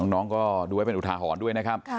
น้องก็ดูไว้เป็นอุทาหรณ์ด้วยนะครับ